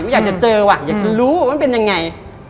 อยากจะเจอว่ะอยากจะรู้ว่ามันเป็นยังไง